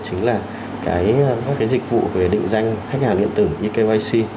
chính là các dịch vụ về định danh khách hàng điện tử như kyc